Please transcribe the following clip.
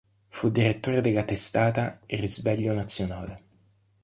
Fu direttore della testata "Risveglio nazionale".